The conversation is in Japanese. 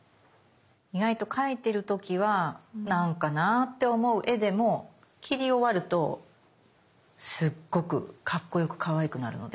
意外と描いてる時は何かなぁって思う絵でも切り終わるとすっごくかっこよくかわいくなるので。